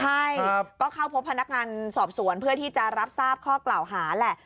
ใช่ก็เข้าพบพนักงานสอบสวนเพื่อที่จะรับทราบข้อกล่าวหาแหละ